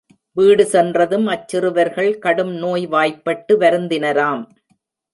வீடு சென்றதும் அச்சிறுவர்கள் கடும் நோய்வாய்ப்பட்டு வருந்தினராம்.